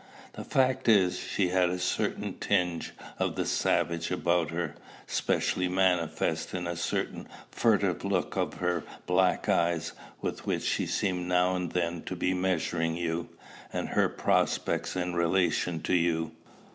The fact is, she had a certain tinge of the savage about her, specially manifest in a certain furtive look of her black eyes, with which she seemed now and then to be measuring you, and her prospects in relation to you.